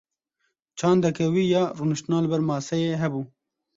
Çandeke wî ya rûniştina li ber maseyê hebû.